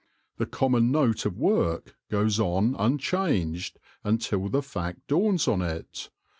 The common note of work goes on unchanged until the fact dawns on it.